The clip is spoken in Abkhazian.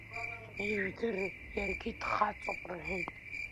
Ижәдыр, иаргьы дхаҵоуп рҳәеит.